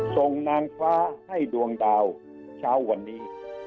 ส่งนางฟ้าให้ดวงดาวเช้าวันนี้